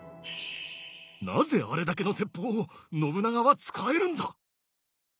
なぜあれだけの鉄砲を信長は使えるんだ。